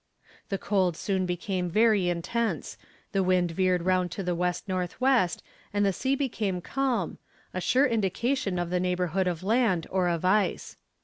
The cold soon became very intense, the wind veered round to the W.N.W., and the sea became calm, a sure indication of the neighbourhood of land or of ice.